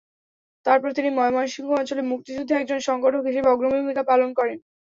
তারপর তিনি ময়মনসিংহ অঞ্চলে মুক্তিযুদ্ধে একজন সংগঠক হিসেবে অগ্রণী ভূমিকা পালন করেন।